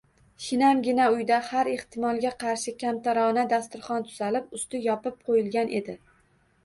Shinamgina uyda har ehtimolga qarshi kamtarona dasturxon tuzalib, usti yopib qo`yilgan edi